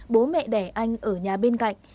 bố mẹ đẻ anh ở nhà bên cạnh